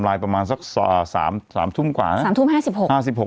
ประมาณสักสามสามทุ่มกว่านะสามทุ่มห้าสิบหกอ่าสิบหก